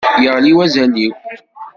Yeɣli wazal-iw.